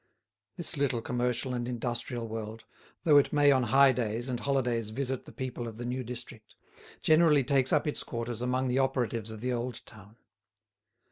This little commercial and industrial world, though it may on high days and holidays visit the people of the new district, generally takes up its quarters among the operatives of the old town.